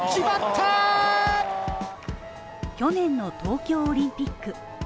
去年の東京オリンピック。